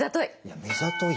目ざとい！